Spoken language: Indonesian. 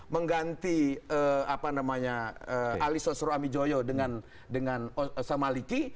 mengganti apa namanya aliso suru amijoyo dengan dengan osama liki